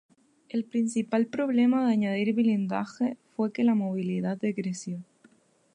El principal problema de añadir blindaje fue que la movilidad decreció.